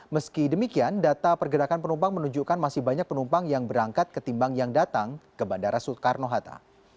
meski demikian data pergerakan penumpang menunjukkan masih banyak penumpang yang berangkat ketimbang yang datang ke bandara soekarno hatta